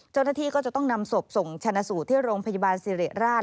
เจ้าหน้าที่ก็จะต้องนำศพส่งชนะสูตรที่โรงพยาบาลสิริราช